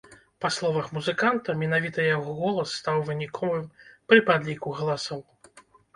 Па словах музыканта, менавіта яго голас стаў выніковым пры падліку галасоў.